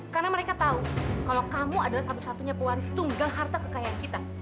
karena mereka tahu kalau kamu adalah satu satunya pewaris tunggang harta kekayaan kita